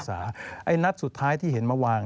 นัดสุดท้ายที่เห็นมาวาง